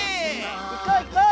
いこういこう！